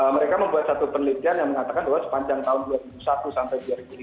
mereka membuat satu penelitian yang mengatakan bahwa sepanjang tahun dua ribu satu sampai dua ribu lima belas